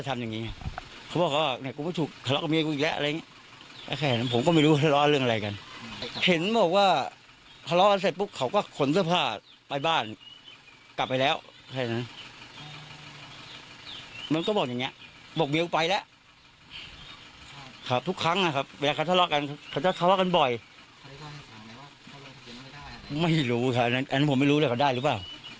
ไม่รู้ค่ะอันนั้นผมไม่รู้เลยว่าเขาได้หรือเปล่า